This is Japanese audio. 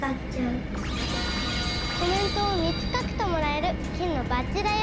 コメントを３つ書くともらえる金のバッジだよ。